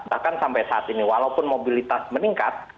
bahkan sampai saat ini walaupun mobilitas meningkat